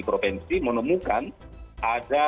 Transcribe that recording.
provinsi menemukan ada